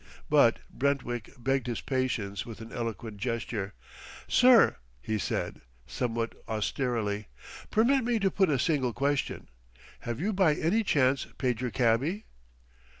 But Brentwick begged his patience with an eloquent gesture. "Sir," he said, somewhat austerely, "permit me to put a single question: Have you by any chance paid your cabby?"